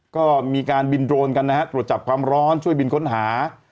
ก็มีการบินโดรนกันนะฮะตรวจจับความร้อนช่วยบินค้นหา